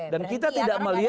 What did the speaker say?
dan kita tidak melihat